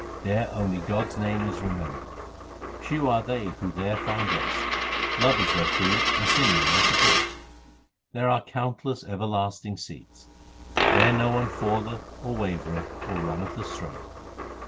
There only God s name is remembered. Few are they who there find rest. Love is their food and singing their support. There are countless everlasting seats. There no one falleth, or wavereth, or runneth astray.